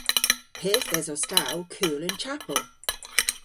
Pyth esos ta ow kul y'n chapel?